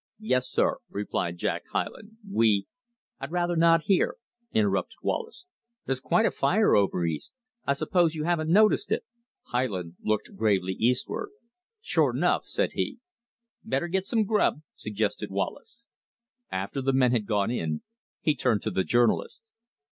"Yes, sir," replied Jack Hyland, "we " "I'd rather not hear," interrupted Wallace. "There's quite a fire over east. I suppose you haven't noticed it." Hyland looked gravely eastward. "Sure 'nough!" said he. "Better get some grub," suggested Wallace. After the men had gone in, he turned to the journalist.